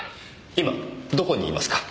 今どこにいますか？